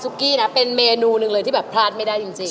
กี้นะเป็นเมนูหนึ่งเลยที่แบบพลาดไม่ได้จริง